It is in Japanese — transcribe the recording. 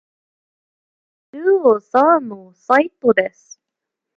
中央左派の政党です。